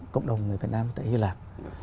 cộng đồng người việt nam tại hy lạp